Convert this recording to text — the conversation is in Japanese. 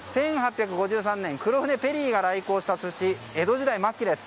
１８５３年黒船ペリーが来航した年江戸時代末期です。